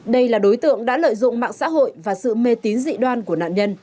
đây là đối tượng đã lợi dụng mạng xã hội và sự mê tín dị đoan của nạn nhân